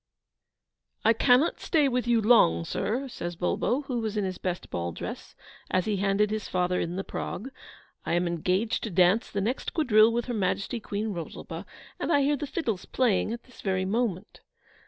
'I cannot stay with you long, sir,' says Bulbo, who was in his best ball dress, as he handed his father in the prog, 'I am engaged to dance the next quadrille with Her Majesty Queen Rosalba, and I hear the fiddles playing at this very moment.